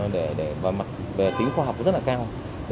về tính khoa học rất là cao